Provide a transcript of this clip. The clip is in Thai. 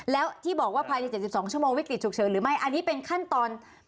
แล้วที่บอกว่าภายใน๗๒ชั่วโมงวิกฤตฉุกเฉินหรือไม่อันนี้เป็นขั้นตอน